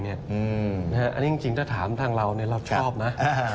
อันนี้จริงถ้าถามทางเรารับชอบนะ